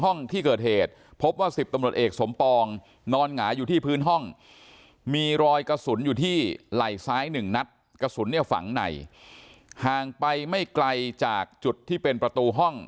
ไหล่ซ้ายหนึ่งนัดกระสุนเนี่ยฝังในห่างไปไม่ไกลจากจุดที่เป็นประตูห้อง